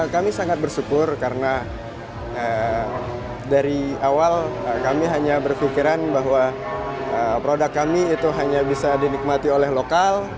kami sangat bersyukur karena dari awal kami hanya berpikiran bahwa produk kami itu hanya bisa dinikmati oleh lokal